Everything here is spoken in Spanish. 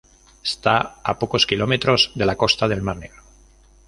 Está a pocos kilómetros de la costa del Mar Negro.